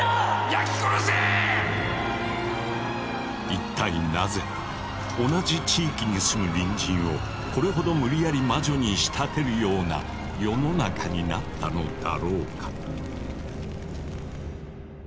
一体なぜ同じ地域に住む隣人をこれほど無理やり魔女に仕立てるような世の中になったのだろうか。